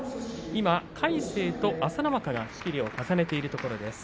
今、魁聖と朝乃若が仕切りを重ねているところです。